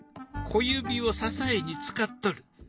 小指を支えに使っとる。